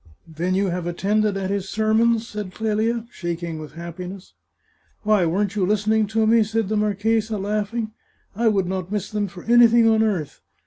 " Then you have attended at his sermons ?" said Clelia, shaking with happiness. " Why, weren't you listening to me ?" said the marchesa, laughing. " I would not miss them for anything on earth.